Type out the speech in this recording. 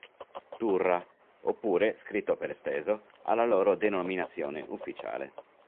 Turra", oppure scritto per esteso, alla loro denominazione ufficiale.